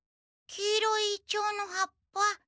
黄色いイチョウの葉っぱ。